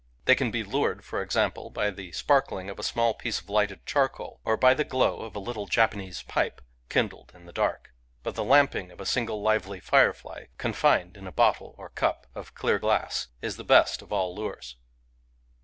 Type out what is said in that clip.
They can be lured, for example, by the sparkling of a small piece of lighted charcoal, or by the glow of a little Japanese pipe, kindled in the dark. But the lamping of a single lively firefly, confined in a bottle, or cup, of clear glass, is the best of all lures.